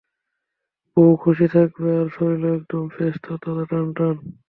বউও খুশি থাকবে, আর শরীরও একদম ফ্রেশ, তরতাজা, টান-টান।